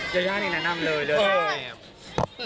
ยายาเรียนานำเลย